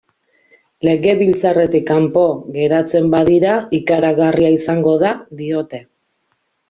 Legebiltzarretik kanpo geratzen badira, ikaragarria izango da, diote.